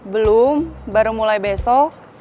belum baru mulai besok